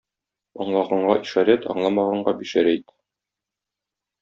Аңлаганга ишарәт, аңламаганга бишәр әйт!